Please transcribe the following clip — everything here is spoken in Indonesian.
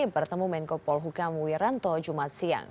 bertemu menko polhukam wiranto jumat siang